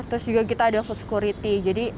terus juga kita ada food security